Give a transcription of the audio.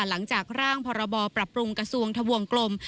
หลังจากร่างพรบปรับปรุงกระทรวงทะวงกลม